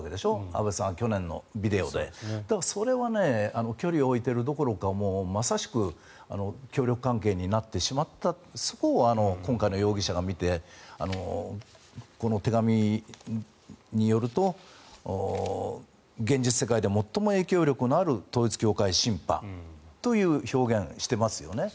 安倍さんは去年のビデオでだからそれは距離を置いているどころかまさしく協力関係になってしまったそこを今回の容疑者が見てこの手紙によると現実世界で最も影響力のある統一教会シンパという表現をしていますよね。